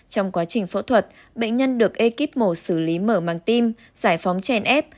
trong quá trình phẫu thuật bệnh nhân được ekip mổ xử lý mở màng tim giải phóng chèn ép